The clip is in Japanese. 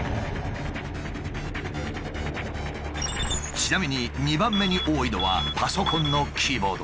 ちなみに２番目に多いのはパソコンのキーボード。